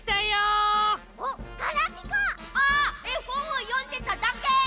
あっえほんをよんでただけ！